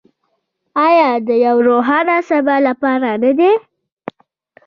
آیا د یو روښانه سبا لپاره نه ده؟